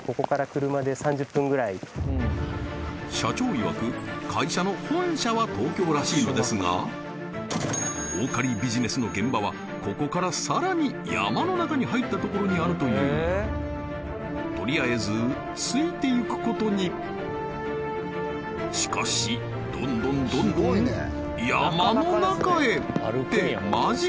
社長いわく会社の本社は東京らしいのですが儲かりビジネスの現場はここからさらに山の中に入ったところにあるというとりあえずついていくことにしかしどんどんてマジ？